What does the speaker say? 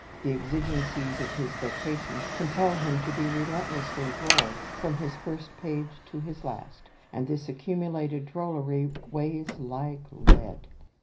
The exigencies of his vocation compel him to be relentlessly droll from his first page to his last, and this accumulated drollery weighs like lead.